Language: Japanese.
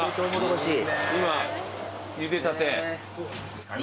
今ゆでたて。